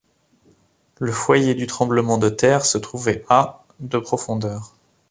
Le foyer du tremblement de terre se trouvait à de profondeur.